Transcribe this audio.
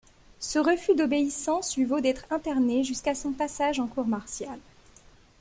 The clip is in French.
Ce refus d'obéissance lui vaut d'être interné jusqu'à son passage en cour martiale.